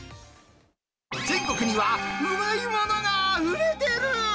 全国には、うまいものがあふれてる。